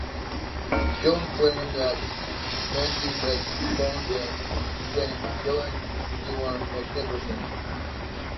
Killen claimed that Menzies had phoned him, saying Killen, you are magnificent!